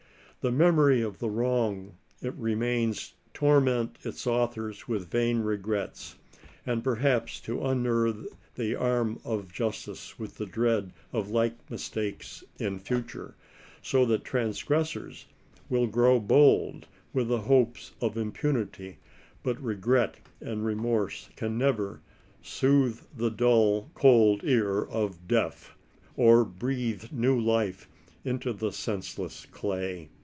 The memory of the wrong remains to torment its authors with vain regrets, and perhaps to unnerve the arm of justice with the dread of like mistakes in future, so that transgressors will grow bold with the hopes of impunity ; but regret and remorse can never " soothe the dull, cold ear of death," or breathe new life into the senseless clay.